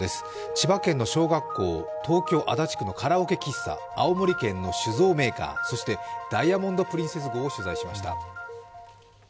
千葉県の小学校、東京・足立区のカラオケ喫茶、青森県の酒造メーカー、そして「ダイヤモンド・プリンセス」号を取材しました。